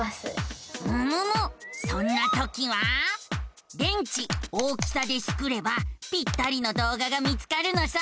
そんなときは「電池大きさ」でスクればぴったりの動画が見つかるのさ。